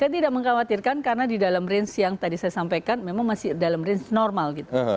saya tidak mengkhawatirkan karena di dalam range yang tadi saya sampaikan memang masih dalam range normal gitu